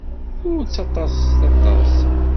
Ur ttaḍḍaset aṭas.